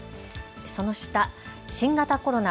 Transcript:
その下、新型コロナ。